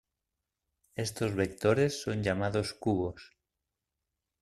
Estos vectores son llamados cubos.